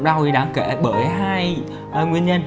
đau thì đáng kể bởi hai nguyên nhân